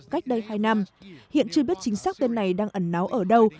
cách đây hai năm hiện chưa biết chính xác tên này đang ẩn náu ở đâu